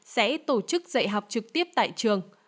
sẽ tổ chức dạy học trực tiếp tại trường